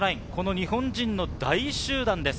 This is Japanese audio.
日本人の大集団です。